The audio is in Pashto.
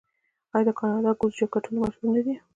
آیا د کاناډا ګوز جاکټونه مشهور نه دي؟